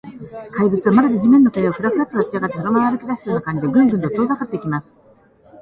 怪物は、まるで地面の影が、フラフラと立ちあがって、そのまま歩きだしたような感じで、グングンと遠ざかっていきます。